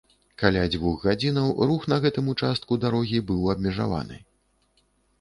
Каля дзвюх гадзінаў рух на гэтым участку дарогі быў абмежаваны.